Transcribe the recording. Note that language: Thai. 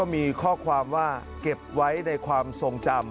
ไม่ไม่บ้าง